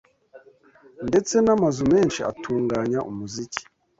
ndetse n’amazu menshi atunganya umuziki